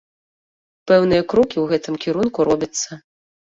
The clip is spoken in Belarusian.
Пэўныя крокі ў гэтым кірунку робяцца.